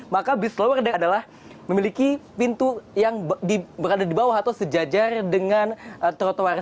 maka bus lower day adalah memiliki pintu yang berada di bawah atau sejajar dengan trotoar